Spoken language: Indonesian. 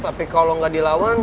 tapi kalau gak dilawan